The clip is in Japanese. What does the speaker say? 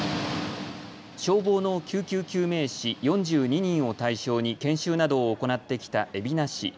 消防の救急救命士４２人を対象に研修などを行ってきた海老名市。